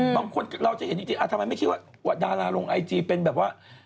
บางคนเราจะเห็นจริงทำไมไม่คิดว่าดาราลงไอจีเป็นแบบว่า